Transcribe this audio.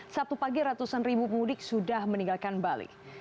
sabtu pagi ratusan ribu pemudik sudah meninggalkan bali